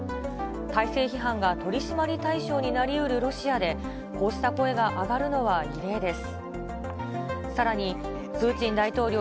大勢批判が取締り対象になりうるロシアで、こうした声が上がるのは異例です。